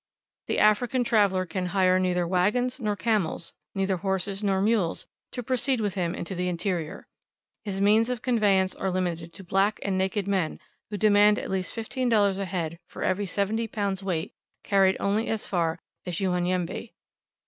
The African traveller can hire neither wagons nor camels, neither horses nor mules, to proceed with him into the interior. His means of conveyance are limited to black and naked men, who demand at least $15 a head for every 70 lbs. weight carried only as far as Unyanyembe.